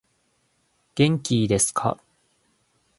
元気いですか